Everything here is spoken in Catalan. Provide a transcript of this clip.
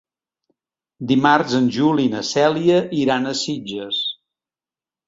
Dimarts en Juli i na Cèlia iran a Sitges.